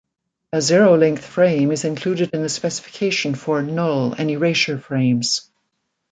A zero length frame is included in the specification for 'null' and erasure frames.